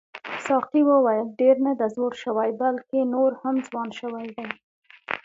ساقي وویل ډېر نه دی زوړ شوی بلکې نور هم ځوان شوی دی.